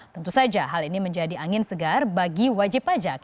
tentu saja hal ini menjadi angin segar bagi wajib pajak